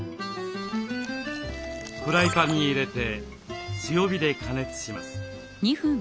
フライパンに入れて強火で加熱します。